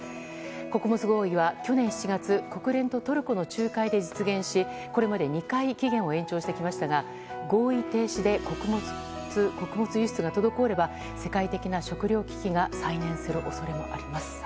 穀物合意は去年７月国連とトルコの仲介で実現しこれまで２回期限を延長してきましたが合意停止で穀物輸出が滞れば世界的な食糧危機が再燃する恐れもあります。